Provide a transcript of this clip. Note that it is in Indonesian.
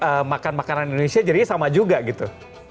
lebih banyak makanan makanan indonesia jadinya sama juga gitu